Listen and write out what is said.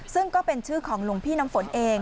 ซึ่งก็เป็นชื่อของหลวงพี่น้ำฝนเอง